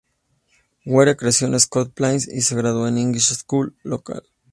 Ware creció en Scotch Plains y se graduó en la high school local.